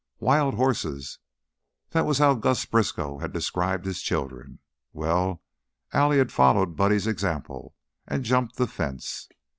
Wild horses! That was how Gus Briskow had described his children. Well, Allie had followed Buddy's example and jumped the fence.